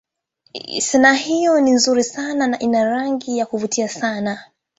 Sanaa hiyo ni nzuri sana na ina rangi za kuvutia sana.